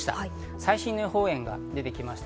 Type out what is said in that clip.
最新の予報円が出てきました。